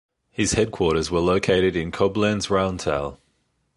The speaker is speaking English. His headquarters were located in Koblenz-Rauental.